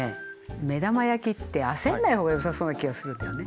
目玉焼きって焦んない方がよさそうな気がするんだよね。